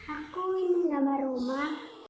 aku ingin menggambar rumah